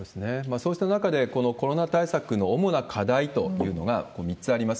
そうした中で、このコロナ対策の主な課題というのが３つあります。